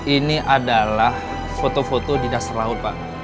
ini adalah foto foto di dasar laut pak